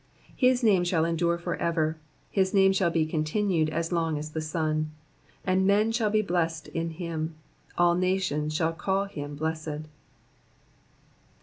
17 His name shall endure for ever: his name shall be con tinued as long as the sun : and men shall be blessed in him : all nations shall call him blessed.